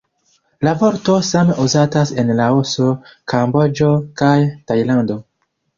La vorto same uzatas en Laoso, Kamboĝo kaj Tajlando.